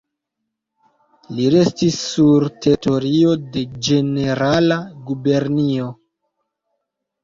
Li restis sur teritorio de Ĝenerala Gubernio.